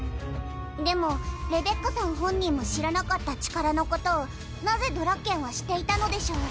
でもレベッカさん本人も知らなかった力のことをなぜドラッケンは知っていたのでしょう？